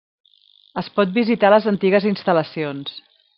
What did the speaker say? Es pot visitar les antigues instal·lacions.